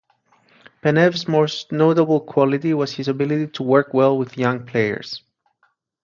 Penev's most notable quality was his ability to work well with young players.